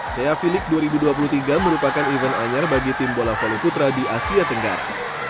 sea filik dua ribu dua puluh tiga merupakan event anyar bagi tim bola volley putra di asia tenggara